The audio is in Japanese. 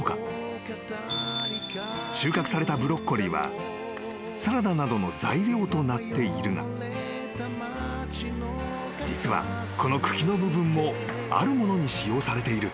［収穫されたブロッコリーはサラダなどの材料となっているが実はこの茎の部分もあるものに使用されている］